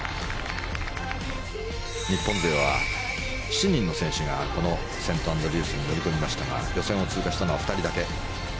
日本勢は７人の選手がこのセントアンドリュースに乗り込みましたが予選を通過したのは２人だけ。